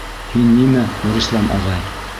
Һин нимә, Нурислам ағай?